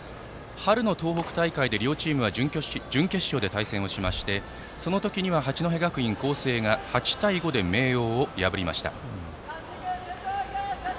春の東北大会で両チームは準決勝で対戦してその時は八戸学院光星が８対５で明桜を破りました。